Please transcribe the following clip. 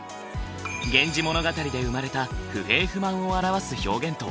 源氏物語で生まれた不平不満を表す表現とは？